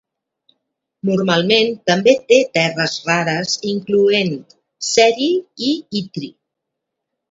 Normalment també té terres rares incloent ceri i itri.